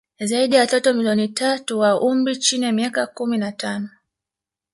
Zaidi ya watoto milioni tatu wa umri wa chini ya miaka kumi na tano